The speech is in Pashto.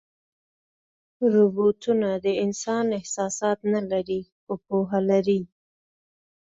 روبوټونه د انسان احساسات نه لري، خو پوهه لري.